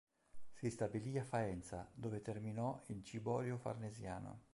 Si stabilì a Faenza, dove terminò il "Ciborio Farnesiano".